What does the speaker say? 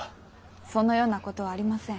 そのようなことはありません。